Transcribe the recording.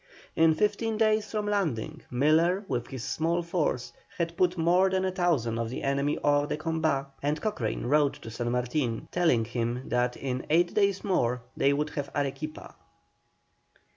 In fifteen days from landing Miller with his small force had put more then a thousand of the enemy hors de combat, and Cochrane wrote to San Martin, telling him that in eight days more they would have Arequipa.